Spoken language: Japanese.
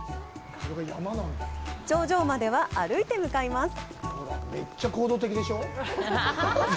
頂上までは歩いて向かいます。